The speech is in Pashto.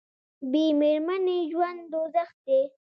بې میرمنې ژوند دوزخ دی